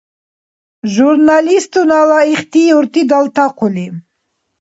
Журналистунала ихтиюрти далтахъули